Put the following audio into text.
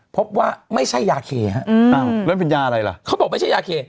พบว่าไม่ใช่ยาเคฮะอ้าวแล้วมันเป็นยาอะไรล่ะเขาบอกไม่ใช่ยาเค